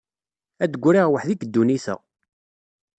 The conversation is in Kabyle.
Ad d-griɣ weḥd-i deg ddunit-a.